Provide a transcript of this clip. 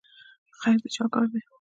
خیر د چا کار دی؟